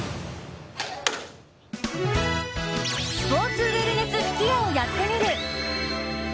スポーツウエルネス吹矢をやってみる。